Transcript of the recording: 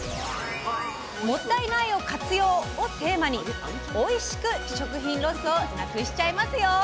「もったいない！を活用」をテーマにおいしく、食品ロスをなくしちゃいますよ！